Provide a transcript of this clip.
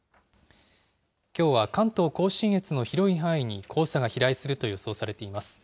きょうは関東甲信越の広い範囲に黄砂が飛来すると予想されています。